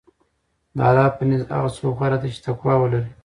د الله په نزد هغه څوک غوره دی چې تقوی ولري.